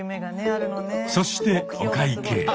そしてお会計。